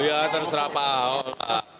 ya terserah pak ahok